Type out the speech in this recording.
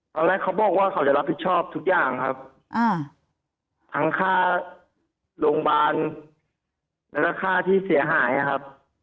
เขาบอกว่าเขาจะรับผิดชอบทุกอย่างครับทั้งค่าโรงพยาบาลแล้วก็ค่าที่เสียหายนะครับ